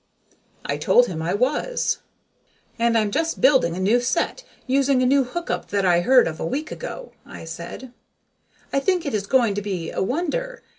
I told him I was. "And I'm just building a new set, using a new hook up that I heard of a week ago," I said. "I think it is going to be a wonder.